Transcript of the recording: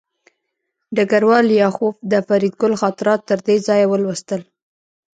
ډګروال لیاخوف د فریدګل خاطرات تر دې ځایه ولوستل